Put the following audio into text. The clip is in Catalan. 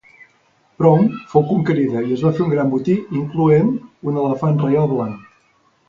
Prome fou conquerida i es va fer un gran botí incloent un elefant reial blanc.